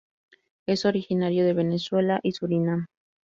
Es originario de Venezuela y Surinam.